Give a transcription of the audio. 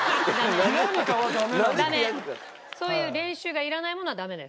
そういう練習がいらないものはダメです。